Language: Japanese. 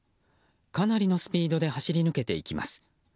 かなりのスピードで走り抜けていきます。